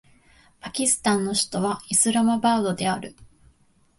パキスタンの首都はイスラマバードである